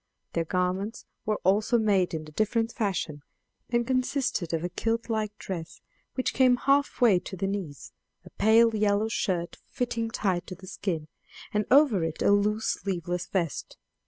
Their garments were also made in a different fashion, and consisted of a kilt like dress, which came half way to the knees, a pale yellow shirt fitting tight to the skin, and over it a loose sleeveless vest.